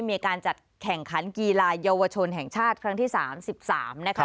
มีการจัดแข่งขันกีฬาเยาวชนแห่งชาติครั้งที่๓๓นะคะ